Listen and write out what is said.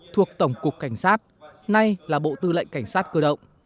thuộc tổng cục cảnh sát nay là bộ tư lệnh cảnh sát cơ động